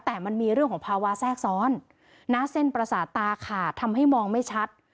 แต่มันมีเรื่องของภาวะแทรกซ้อนนะเส้นประสาทตาขาดทำให้มองไม่ชัด